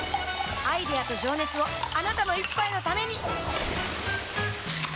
アイデアと情熱をあなたの一杯のためにプシュッ！